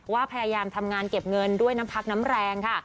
ว่าพยายามทำงานเก็บเงินด้วยน้ำพักน้ำแรงค่ะ